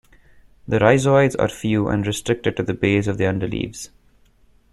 The rhizoids are few and restricted to the base of the underleaves.